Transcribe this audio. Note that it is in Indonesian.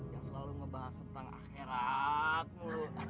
yang selalu ngebahas tentang akhiratmu